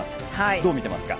どう見ていますか？